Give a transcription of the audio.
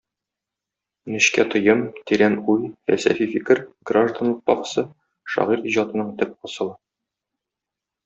Нечкә тоем, тирән уй, фәлсәфи фикер, гражданлык пафосы - шагыйрь иҗатының төп асылы.